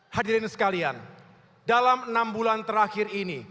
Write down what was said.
hadirin sekalian dalam enam bulan terakhir ini